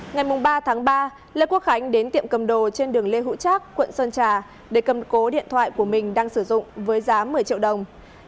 ngày ba tháng ba lê quốc khánh đến tiệm cầm đồ trên đường lê hữu trác quận sơn trà để cầm cố điện thoại của mình đang sử dụng với giá một mươi triệu đồng